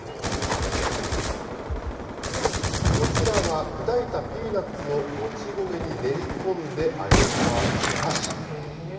こちらは砕いたピーナッツをもち米に練り込んで揚げたお菓子。